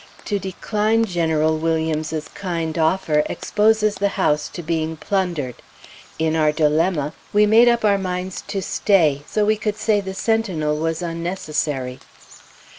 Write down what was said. To decline General Williams's kind offer exposes the house to being plundered. In our dilemma, we made up our minds to stay, so we could say the sentinel was unnecessary.